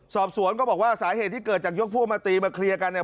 สอบสวนก็บอกว่าสาเหตุที่เกิดจากยกพวกมาตีมาเคลียร์กันเนี่ย